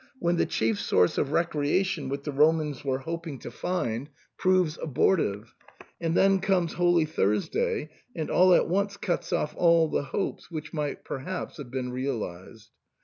when the chief source of recreation which the Romans were hoping to find proves abortive, and then comes Holy Thursday and all at once cuts off all the hopes which might perhaps have been realized.